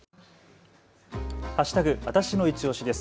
わたしのいちオシです。